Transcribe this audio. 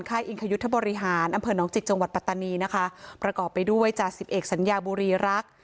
อิงคยุทธบริหารอำเภอหนองจิกจังหวัดปัตตานีนะคะประกอบไปด้วยจ่าสิบเอกสัญญาบุรีรัก